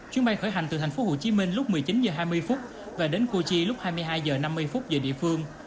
chuyến bay khởi hành từ thành phố hồ chí minh lúc một mươi chín h hai mươi và đến cô chi lúc hai mươi hai h năm mươi giờ địa phương